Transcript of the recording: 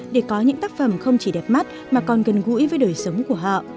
để có những tác phẩm không chỉ đẹp mắt mà còn gần gũi với đời sống của họ